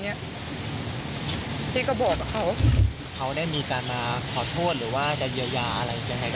หรือผลสุดท้องพ้อมาในการเหยียบริขุมัน